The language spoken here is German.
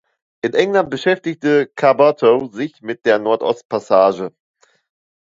In England beschäftigte Caboto sich mit der Nordostpassage.